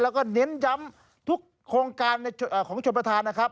และนินยำทุกโครงการของชนบทาน